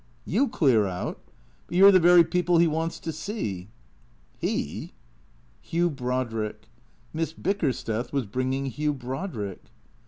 You clear out? But you 're the very people he wants to see." "He?" Hugh Brodrick. Miss Bickersteth was bringing Hugh Brod rick.